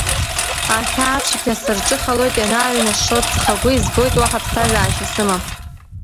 Ахьаацәгьа сарҿыхалоит ианааҩнашо ҵхагәы, избоит уаҳа ԥсҭазаашьа сымам.